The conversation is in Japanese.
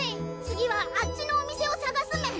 次はあっちのお店をさがすメン！